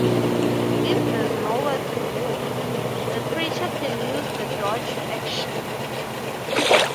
If there’s nowhere to move, the creature can use the Dodge action.